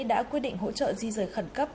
đã quyết định hỗ trợ di rời khẩn cấp